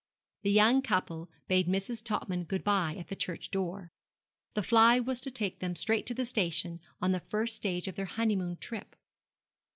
The young couple bade Mrs. Topman good bye at the churchdoor. The fly was to take them straight to the station, on the first stage of their honeymoon trip.